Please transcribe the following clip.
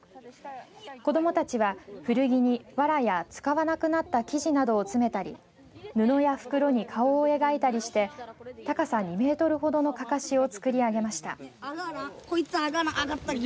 子どもたちは古着にわらや使わなくなった生地などを詰めたり布や袋に顔を描いたりして高さ２メートルほどのかかしを作り上げました。